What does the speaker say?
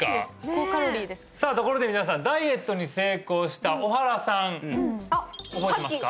高カロリーですさあところで皆さんダイエットに成功した小原さん覚えてますか？